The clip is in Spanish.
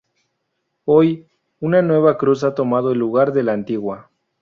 Hoy, una nueva cruz ha tomado el lugar de la antigua.